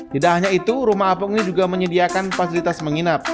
tidak hanya itu rumah apung ini juga menyediakan fasilitas menginap